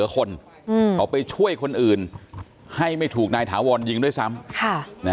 ไปทำแผนจุดเริ่มต้นที่เข้ามาที่บ่อนที่พระราม๓ซอย๖๖เลยนะครับทุกผู้ชมครับ